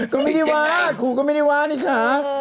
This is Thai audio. ก็ไม่ได้ว่าครูก็ไม่ได้ว่านี่ค่ะ